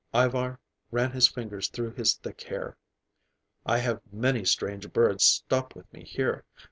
Ivar ran his fingers through his thick hair. "I have many strange birds stop with me here.